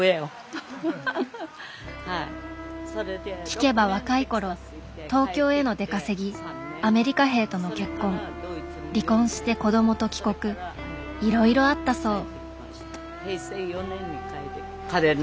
聞けば若い頃東京への出稼ぎアメリカ兵との結婚離婚して子どもと帰国いろいろあったそう。